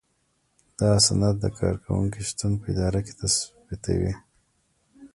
دا سند د کارکوونکي شتون په اداره کې تثبیتوي.